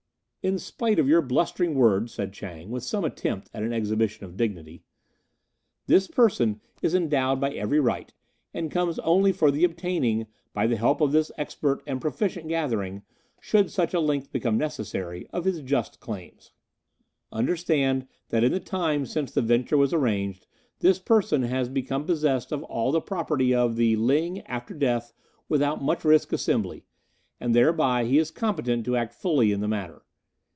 "In spite of your blustering words," said Chang, with some attempt at an exhibition of dignity, "this person is endowed by every right, and comes only for the obtaining, by the help of this expert and proficient gathering, should such a length become necessary, of his just claims. Understand that in the time since the venture was arranged this person has become possessed of all the property of 'The Ling (After Death) Without Much Risk Assembly,' and thereby he is competent to act fully in the matter.